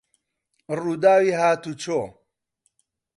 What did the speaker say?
ڕووداوی هاتووچۆ